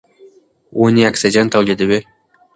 ونې اکسیجن تولیدوي.